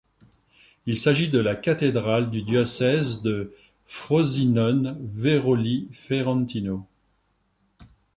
Il s'agit de la cathédrale du diocèse de Frosinone-Veroli-Ferentino.